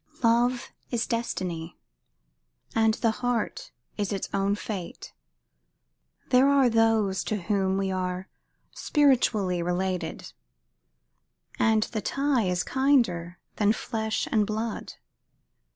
Love is destiny; and the heart is its own fate. There are those to whom we are spiritually related, and the tie is kinder than flesh and blood.